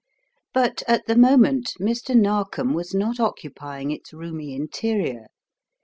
. But, at the moment, Mr. Narkom was not occupy ing its roomy interior.